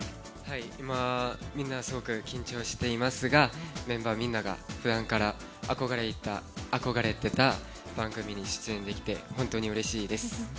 今、みんなすごく緊張していますがメンバーみんなが普段から憧れていた番組に出演できて本当にうれしいです。